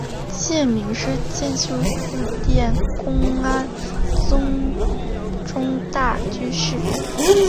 戒名是政秀寺殿功庵宗忠大居士。